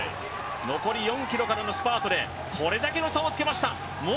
残り４ｋｍからのスパートで、これだけの差をつけました。